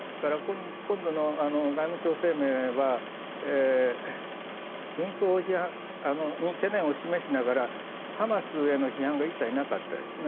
今度の外務省声明は紛争に懸念を示しながらハマスへの批判が一切なかったですよね。